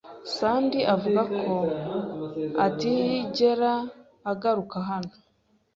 Sandy avuga ko atazigera agaruka hano.